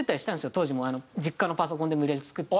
当時も実家のパソコンで無理やり作って。